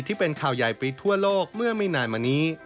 ที่เป็นข่าวใหญ่ไปทั่วโลกเมื่อไม่นานมานี้